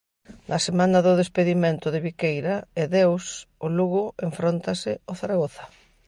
Na semana do despedimento de Viqueira e Deus o Lugo enfróntase ao Zaragoza.